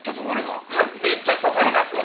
めっちゃ刺さりますわ。